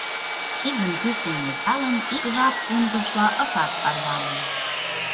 Кидым кӱшкӧ нӧлталын, ик жап пундышла ышат тарване.